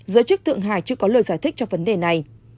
giới chức thượng hải chưa có lời giải thích cho vấn đề này